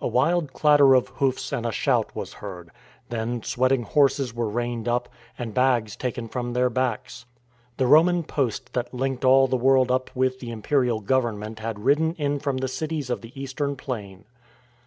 A wild clatter of hoofs and a shout was heard. Then sweating horses were reined up, and bags taken from their backs. The Roman post that linked all the world up with the Imperial Government had ridden in from the cities of the eastern plain.